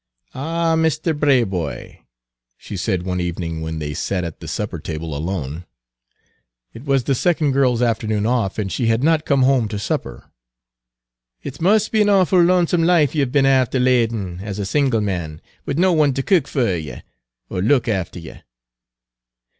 "Ah, Misther Braboy," she said one evening when they sat at the supper table alone, it was the second girl's afternoon off, and she had not come home to supper, "it must be an awful lonesome life ye've been afther l'adin', as a single man, wid no one to cook fer ye, or look afther ye."